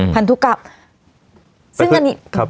พันธุกรรม